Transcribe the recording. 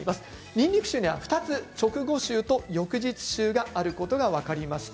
にんにく臭には２つ、直後臭と翌日臭があることが分かりました。